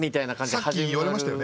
さっき言われましたよね。